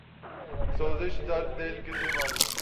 سوزش درد دل کسے معلوم